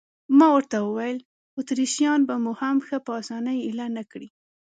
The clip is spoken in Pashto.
ما ورته وویل: اتریشیان به مو هم ښه په اسانۍ اېله نه کړي.